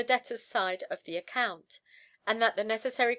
Debtor's Side in the Account ; and that the necefiary.